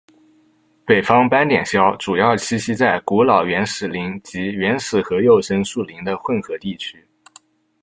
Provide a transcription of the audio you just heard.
北方斑点鸮主要栖息在古老原始林及原始和幼生树林的混合地区。